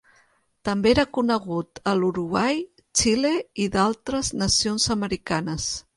També era conegut a l'Uruguai, Xile i d'altres nacions americanes.